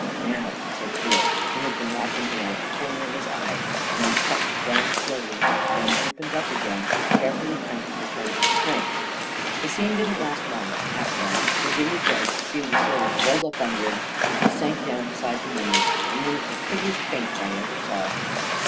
.. 41 Now I " said Creel, who had been watching him out of the corner of his eye, and I stopped down slowly, and then opened up again, carefully counting the turns of the crank. The scene didn't last long, after that, for Jimmy's legs seemed to sort of fold up under him, and he sank down beside the mummy in one of the prettiest faints I ever saw.